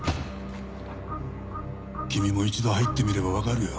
君も一度入ってみればわかるよ。